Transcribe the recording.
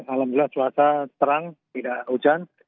alhamdulillah cuaca terang tidak hujan